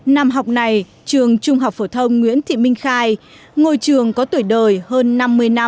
năm học này trường trung học phổ thông nguyễn thị minh khai ngôi trường có tuổi đời hơn năm mươi năm